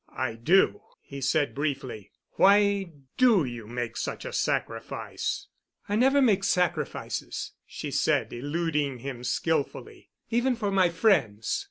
"I do," he said briefly. "Why do you make such a sacrifice?" "I never make sacrifices," she said, eluding him skillfully, "even for my friends.